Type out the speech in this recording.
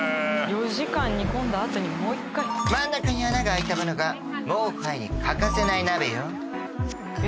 ４時間煮込んだあとにもう一回真ん中に穴が開いたものがモーファイに欠かせない鍋よへえ